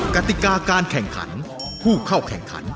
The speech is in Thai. กติกาการแข่งขันผู้เข้าแข่งขัน